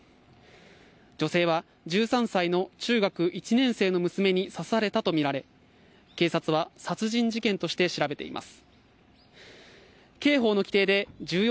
女性は１３歳の中学１年生の娘に刺されたとみられ警察は殺人事件として調べています。